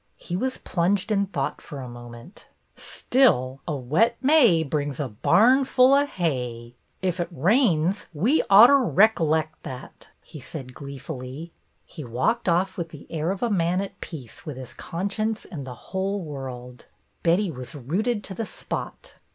He was plunged in thought for a moment. "Still, 'A wet May brings a barnful o' hay.' Ef it rains we otter rec'leck that," he said gleefully. He walked off with the air of a man at peace with his conscience and the whole world. Betty was rooted to the spot.